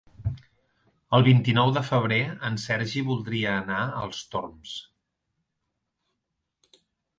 El vint-i-nou de febrer en Sergi voldria anar als Torms.